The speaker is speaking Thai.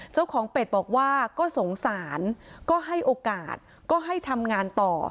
เจ้าของเป็ดบอกว่าก็สงสารก็ให้โอกาสก็ให้ทำงานต่อ